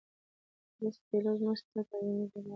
ټرسټ پیلوټ - موږ ته یو نظر راکړئ